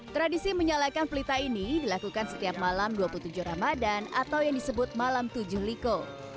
tradisi menyalakan pelita ini dilakukan setiap malam dua puluh tujuh ramadan atau yang disebut malam tujuh liko